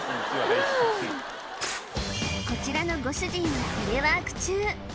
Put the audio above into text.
こちらのご主人はテレワーク中